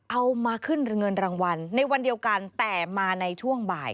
เอามาขึ้นเงินรางวัลในวันเดียวกันแต่มาในช่วงบ่าย